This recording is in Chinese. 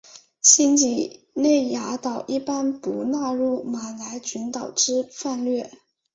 新几内亚岛一般不纳入马来群岛之范畴。